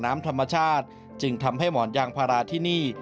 น้ำธรรมชาติจึงทำให้หมอนยางพาราที่นี่